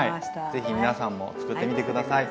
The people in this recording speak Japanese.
是非皆さんも作ってみて下さい。